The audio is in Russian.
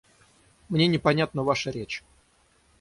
Мне непонятна ваша речь.